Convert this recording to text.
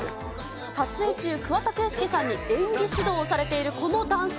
撮影中、桑田佳祐さんに演技指導をされているこの男性。